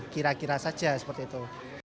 kira kira saja seperti itu